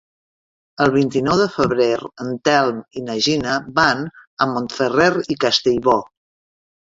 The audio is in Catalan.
El vint-i-nou de febrer en Telm i na Gina van a Montferrer i Castellbò.